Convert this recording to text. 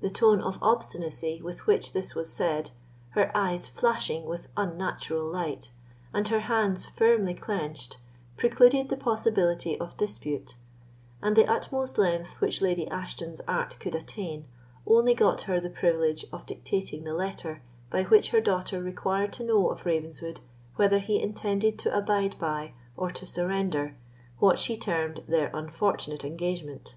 The tone of obstinacy with which this was said, her eyes flashing with unnatural light, and her hands firmly clenched, precluded the possibility of dispute; and the utmost length which Lady Ashton's art could attain, only got her the privilege of dictating the letter, by which her daughter required to know of Ravenswood whether he intended to abide by or to surrender what she termed "their unfortunate engagement."